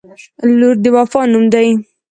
• لور د وفا نوم دی.